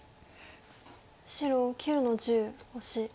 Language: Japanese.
白９の十オシ。